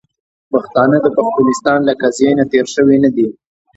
پښتانه د پښتونستان له قضیې نه تیر شوي نه دي .